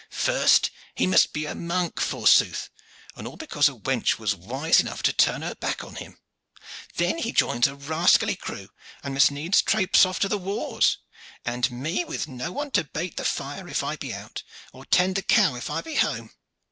First he must be a monk forsooth, and all because a wench was wise enough to turn her back on him. Then he joins a rascally crew and must needs trapse off to the wars, and me with no one to bait the fire if I be out, or tend the cow if I be home.